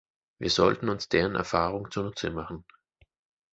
Wir sollten uns deren Erfahrung zunutze machen.